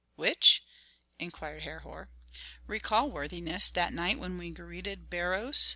Which?" inquired Herhor. "Recall, worthiness, that night when we greeted Beroes.